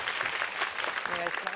お願いします。